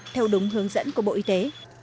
theo đúng hướng dẫn của bộ y tế